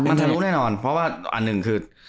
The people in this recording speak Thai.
มันทะลุแน่นอนเพราะว่าอันหนึ่งคือ